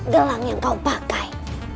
gelang yang kau pakai